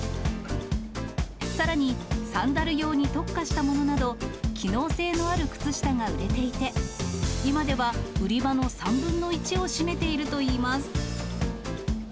さらに、サンダル用に特化したものなど、機能性のある靴下が売れていて、今では、売り場の３分の１を占めているといいます。